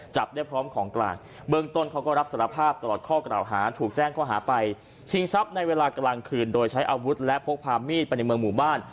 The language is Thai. ชิงทรัพย์ในเวลากลางคืนโดยใช้อาวุธและพกพามีดไปในเมืองหมู่บ้าน